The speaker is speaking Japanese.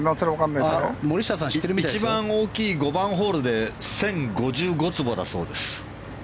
一番大きい５ホールで１０５５坪だそうです。